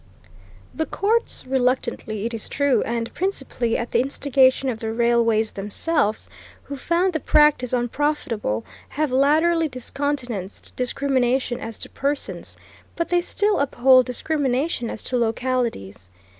The courts reluctantly, it is true, and principally at the instigation of the railways themselves, who found the practice unprofitable have latterly discountenanced discrimination as to persons, but they still uphold discrimination as to localities.